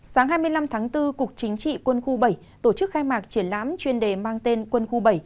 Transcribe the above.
sáng hai mươi năm tháng bốn cục chính trị quân khu bảy tổ chức khai mạc triển lãm chuyên đề mang tên quân khu bảy